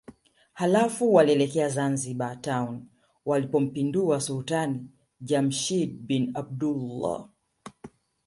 Halafu walielekea Zanzibar Town walipompindua Sultani Jamshid bin Abdullah